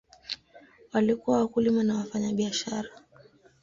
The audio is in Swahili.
Walikuwa wakulima na wafanyabiashara.